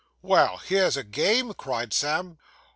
'Well, here's a game!' cried Sam.